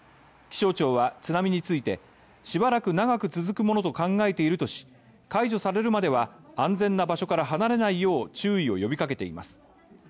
気象庁は津波についてしばらく長く続くものと考えているとし、解除されるまでは、安全な場所から離れないよう注意を呼びかけています。